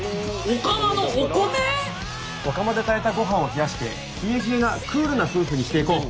お釜で炊いたご飯を冷やして冷え冷えなクールな夫婦にしていこう！